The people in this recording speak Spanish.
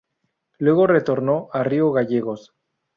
Luego retornó a Río Gallegos.